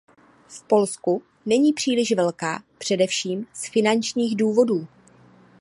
V Polsku není příliš velká, především z finančních důvodů.